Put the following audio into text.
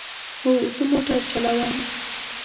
هو، زه موټر چلوم